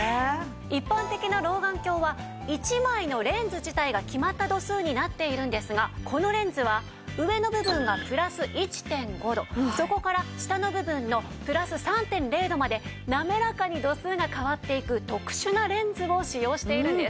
一般的な老眼鏡は１枚のレンズ自体が決まった度数になっているんですがこのレンズは上の部分がプラス１．５度そこから下の部分のプラス３．０度までなめらかに度数が変わっていく特殊なレンズを使用しているんです。